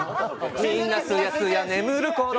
みんなすやす眠るころ